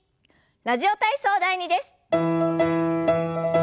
「ラジオ体操第２」です。